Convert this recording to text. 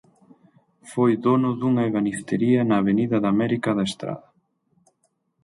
Foi dono dunha ebanistería na avenida de América da Estrada.